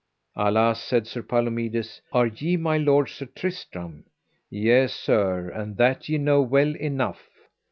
Alas, said Sir Palomides, are ye my lord Sir Tristram? Yea, sir, and that ye know well enough.